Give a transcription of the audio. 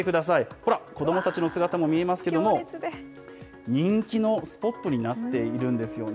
ほら、子どもたちの姿も見えますけれども、人気のスポットになっているんですよね。